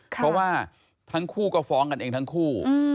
เพราะว่าทั้งคู่ก็ฟ้องกันเองทั้งคู่